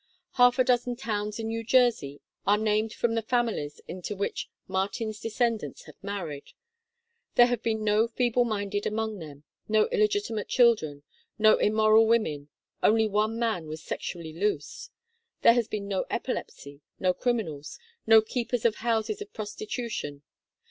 Half a dozen towns in New Jersey are named from the families into which Martin's descend ants have married. There have been no feeble minded among them ; no illegitimate children ; no immoral women ; only one man was sexually loose. There has been no epilepsy, no criminals, no keepers of houses of prostitution.